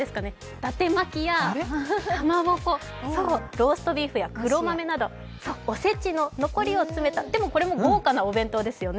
だて巻きやかまぼこ、ローストビーフや黒豆などお節の残りを詰めたでもこれも豪華なお弁当ですよね。